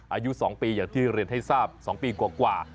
อายุ๒ปีอย่างที่เรียนให้ทราบ๒ปีกว่า